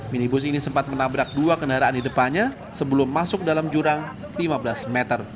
minibus ini sempat menabrak dua kendaraan di depannya sebelum masuk dalam jurang lima belas meter